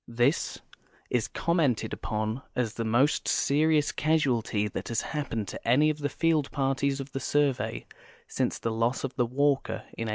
This is commented upon as the most serious casualty that has hapiiened to any of the field parties of the Survey since the loss of the Walker in 185G.